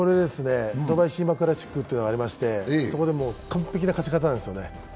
ドバイシーマクラシックというのがありましてそこでもう完璧な勝ち方ですね。